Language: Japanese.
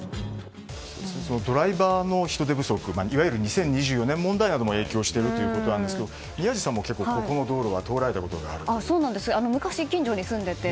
ドライバーの人手不足いわゆる２０２４年問題なども影響しているということですが宮司さんも結構ここの道路昔、近所に住んでいて。